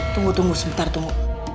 tunggu tunggu sebentar tunggu